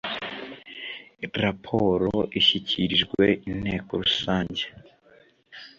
raporo ishyikirijwe Inteko Rusange